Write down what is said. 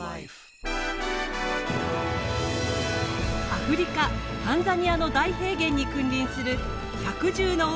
アフリカタンザニアの大平原に君臨する「百獣の王」